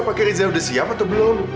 apakah rizah udah siap atau belum